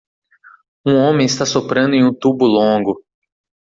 Um homem está soprando em um tubo longo